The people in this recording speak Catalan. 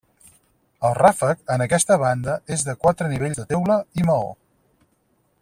El ràfec en aquesta banda és de quatre nivells de teula i maó.